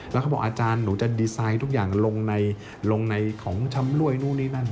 แล้วเขาบอกอาจารย์หนูจะดีไซน์ทุกอย่างลงในลงในของชำรวยนู่นนี่นั่น